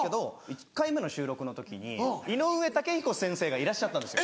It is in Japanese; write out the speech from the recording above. １回目の収録の時に井上雄彦先生がいらっしゃったんですよ。